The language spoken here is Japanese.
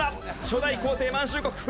初代皇帝満州国。